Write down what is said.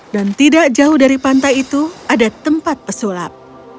dan tidak jauh dari pantai itu ada tempat pesulap